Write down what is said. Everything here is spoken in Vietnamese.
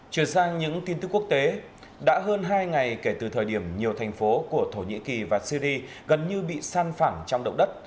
chuyển sang những tin tức quốc tế đã hơn hai ngày kể từ thời điểm nhiều thành phố của thổ nhĩ kỳ và syri gần như bị san phẳng trong động đất